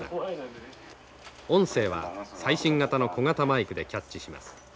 音声は最新型の小型マイクでキャッチします。